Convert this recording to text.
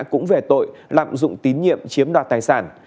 cũng về tội lạm dụng tín nhiệm chiếm đoạt tài sản